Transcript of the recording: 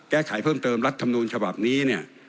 แก้ไขเพิ่มเติมรัฐธรรมนูลฉบับนี้เนี่ย